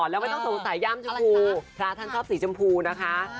แล้วไม่ต้องสงสัยย่ามชมพูพระท่านชอบสีชมพูนะคะ